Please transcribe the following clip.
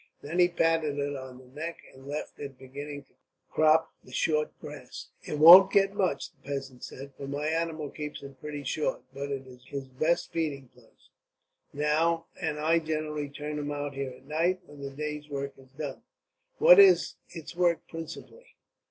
Then he patted it on the neck, and left it beginning to crop the short grass. "It won't get much," the peasant said, "for my animal keeps it pretty short. It is his best feeding place, now; and I generally turn it out here, at night, when the day's work is done." "What is its work, principally?"